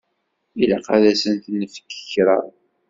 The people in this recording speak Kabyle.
Ilaq ad asen-nefk kra.